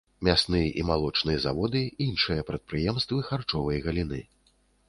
Мясны і малочны заводы, іншыя прадпрыемствы харчовай галіны.